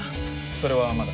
それはまだ。